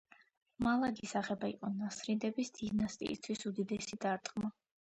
მალაგის აღება იყო ნასრიდების დინასტიისათვის უდიდესი დარტყმა.